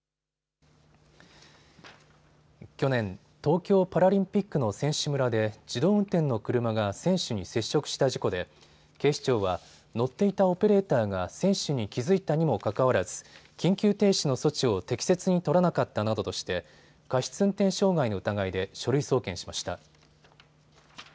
去年、東京パラリンピックの選手村で自動運転の車が選手に接触した事故で警視庁は乗っていたオペレーターが選手に気付いたにもかかわらず緊急停止の措置を適切に取らなかったなどとして過失運転傷害の疑いで書類送検しました。